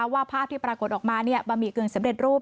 ว่าภาพที่ปรากฏออกมาบะหมี่กึ่งสำเร็จรูป